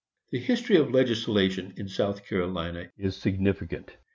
The history of legislation in South Carolina is significant.